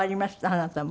あなたも。